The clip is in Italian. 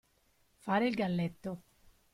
Fare il galletto.